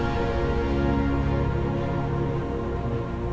mama nggak mau ada aku om